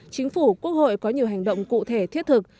chính phủ quốc hội có nhiều hành động cụ thể thiết thực